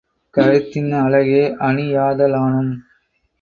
கருத்தின் அழகே அணியாதலானும்